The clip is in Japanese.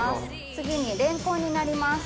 次にレンコンになります。